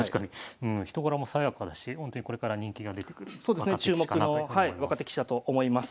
うん人柄も爽やかだしほんとにこれから人気が出てくる若手棋士かなと思います。